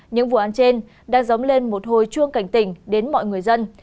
những vụ án trên đang giống lên một hồi chuông cảnh tỉnh đến mọi người dân